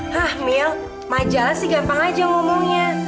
hah mil majalah sih gampang aja ngomongnya